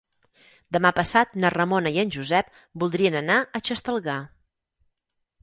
Demà passat na Ramona i en Josep voldrien anar a Xestalgar.